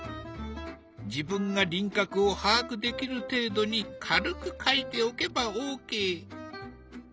自分が輪郭を把握できる程度に軽く描いておけばオーケー。